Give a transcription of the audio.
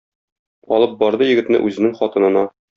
Алып барды егетне үзенең хатынына.